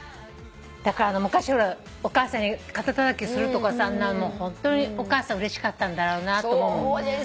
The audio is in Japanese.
だから昔お母さんに肩たたきするとかさあんなのもうホントにお母さんうれしかったんだろうなと思うもん。